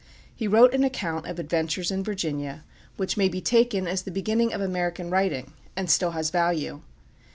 He wrote an account of adventures in Virginia, which may be taken as the beginning of American writing, and still has value.